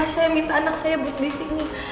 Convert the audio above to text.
saya minta anak saya buat disini